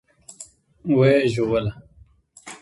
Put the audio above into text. ويې ژدويله.